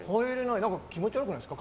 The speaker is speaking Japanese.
何か気持ち悪くないですか？